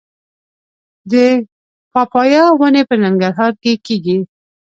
د پاپایا ونې په ننګرهار کې کیږي؟